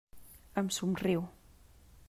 Em somriu.